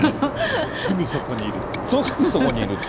すぐそこにいるって。